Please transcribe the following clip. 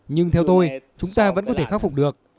nhưng theo tôi chúng ta vẫn có thể khắc phục được